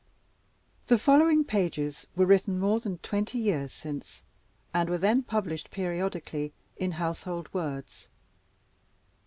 The following pages were written more than twenty years since, and were then published periodically in _Household Words.